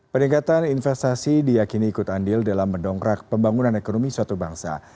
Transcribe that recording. peningkatan investasi diakini ikut andil dalam mendongkrak pembangunan ekonomi suatu bangsa